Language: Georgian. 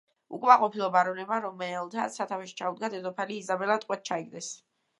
უკმაყოფილო ბარონებმა, რომელთაც სათავეში ჩაუდგა დედოფალი იზაბელა, ტყვედ ჩაიგდეს.